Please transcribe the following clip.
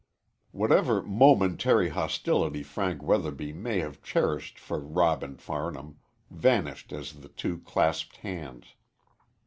Whatever momentary hostility Frank Weatherby may have cherished for Robin Farnham vanished as the two clasped hands.